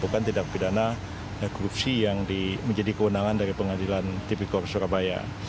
karena korupsi yang menjadi kewenangan dari pengadilan tipikor surabaya